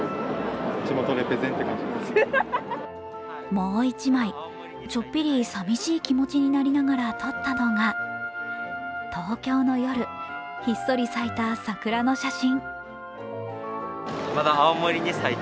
もう１枚、ちょっぴり寂しい気持ちになりながら撮ったのが東京の夜、ひっそり咲いた桜の写真